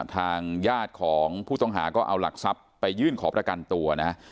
ทางญาติของผู้ต้องหาก็เอาหลักทรัพย์ไปยื่นขอประกันตัวนะฮะ